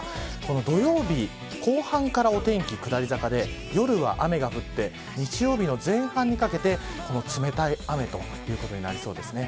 土曜日後半からお天気が下り坂で夜は雨が降って日曜日の前半にかけて冷たい雨ということになりそうです。